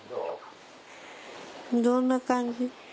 どんな感じ？